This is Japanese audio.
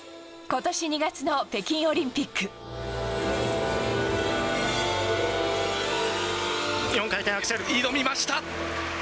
ことし２月の北京オリンピッ４回転アクセル、挑みました。